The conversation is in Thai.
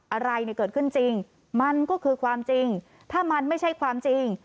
อะไรเนี่ยเกิดขึ้นจริงมันก็คือความจริงถ้ามันไม่ใช่ความจริง